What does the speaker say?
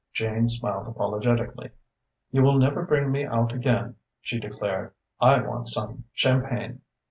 Jane smiled apologetically. "You will never bring me out again," she declared. "I want some champagne."